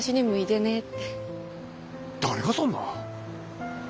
誰がそんな。